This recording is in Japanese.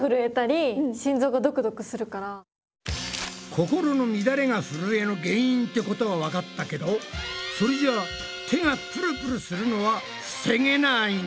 「心の乱れ」がふるえの原因ってことはわかったけどそれじゃあ手がプルプルするのは防げないの？